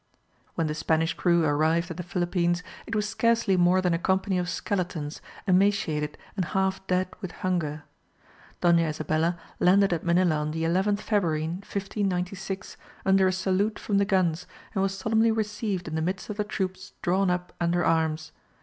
When the Spanish crew arrived at the Philippines, it was scarcely more than a company of skeletons, emaciated and half dead with hunger. Doña Isabella landed at Manilla on the 11th February, 1596, under a salute from the guns, and was solemnly received in the midst of the troops drawn up under arms.